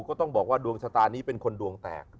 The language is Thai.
ก็ต้องบอกว่าดวงชะตานี้เป็นคนดวงแตก